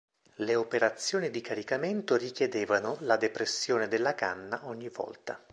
Le operazioni di caricamento richiedevano la depressione della canna ogni volta.